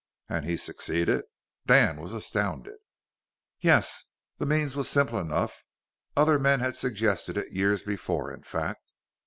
"And he succeeded?" Dan was astounded. "Yes. The means was simple enough: other men had suggested it years before, in fact.